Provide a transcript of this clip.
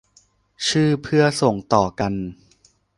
ชื่อเพื่อส่งต่อกัน